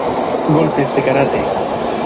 ¡ Golpes de kárate!